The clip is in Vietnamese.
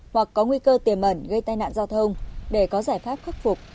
hoặc có nguy cơ tiềm ẩn gây tai nạn giao thông để có giải pháp khắc phục